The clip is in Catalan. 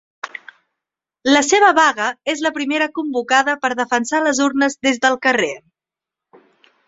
La seva vaga és la primera convocada per defensar les urnes des del carrer.